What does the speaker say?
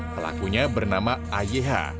pelakunya bernama ayeha